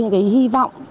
những cái hy vọng